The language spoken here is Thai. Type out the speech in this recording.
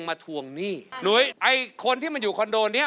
ไอวิทยาลัยกรอบรดิ